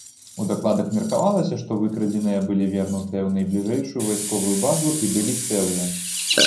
У дакладах меркавалася, што выкрадзеныя былі вернутыя ў найбліжэйшую вайсковую базу і былі цэлыя.